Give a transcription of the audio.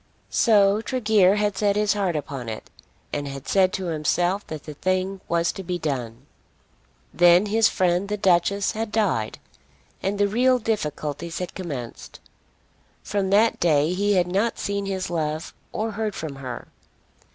So Tregear had set his heart upon it, and had said to himself that the thing was to be done. Then his friend the Duchess had died, and the real difficulties had commenced. From that day he had not seen his love, or heard from her.